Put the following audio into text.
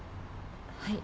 はい。